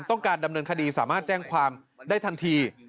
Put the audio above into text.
ต้องการดำเนินคดีสามารถแจ้งความได้ทันที